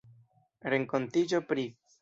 renkontiĝo pri...